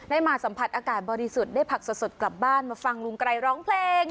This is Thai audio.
มาสัมผัสอากาศบริสุทธิ์ได้ผักสดกลับบ้านมาฟังลุงไกรร้องเพลง